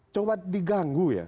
coba diganggu ya